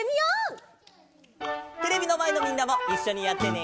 テレビのまえのみんなもいっしょにやってね！